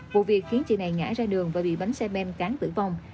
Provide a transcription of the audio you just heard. vụ việc khiến chị này ngã ra đường và bị bánh xe ben cán tử vong